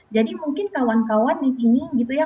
jadi mungkin kawan kawan di sini gitu ya